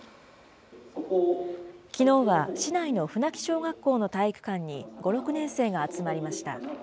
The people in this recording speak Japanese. きのうは市内の船木小学校の体育館に５、６年生が集まりました。